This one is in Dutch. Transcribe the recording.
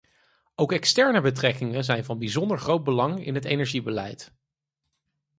Ook externe betrekkingen zijn van bijzonder groot belang in het energiebeleid.